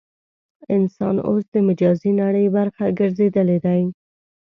انسان اوس د مجازي نړۍ برخه ګرځېدلی دی.